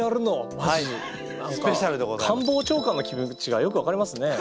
何か官房長官の気持ちがよく分かりますね。